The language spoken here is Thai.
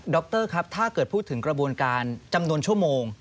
รครับถ้าเกิดพูดถึงกระบวนการจำนวนชั่วโมง